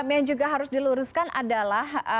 yang juga harus diluruskan adalah